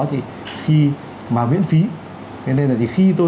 thì khi mà miễn phí thế nên là thì khi